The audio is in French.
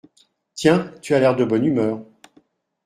Tiens ! tu as l’air de bonne humeur !